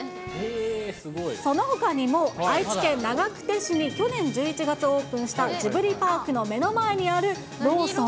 そのほかにも、愛知県長久手市に去年１１月オープンしたジブリパークの目の前にあるローソン。